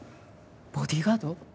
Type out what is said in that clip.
ボディーガード？